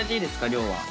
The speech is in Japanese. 量は。